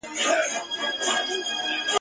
ظلم په محکمه کي ..